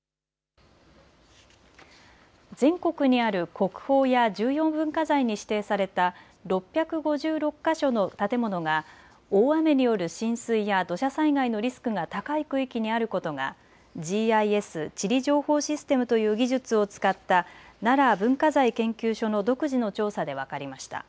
全国にある国宝や重要文化財に指定された６５６か所の建物が大雨による浸水や土砂災害のリスクが高い区域にあることがＧＩＳ・地理情報システムという技術を使った奈良文化財研究所の独自の調査で分かりました。